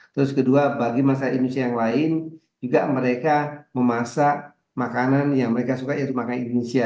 terus kedua bagi masyarakat indonesia yang lain juga mereka memasak makanan yang mereka suka yaitu makanan indonesia